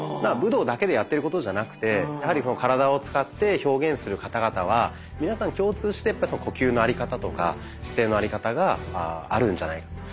武道だけでやってることじゃなくてやはり体を使って表現する方々は皆さん共通して呼吸のあり方とか姿勢のあり方があるんじゃないか。